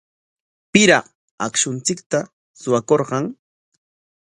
¿Piraq akshunchikta suwakurqan?